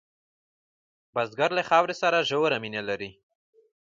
بزګر له خاورې سره ژوره مینه لري